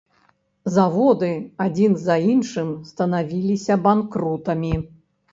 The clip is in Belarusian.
Заводы адзін за іншым станавіліся банкрутамі.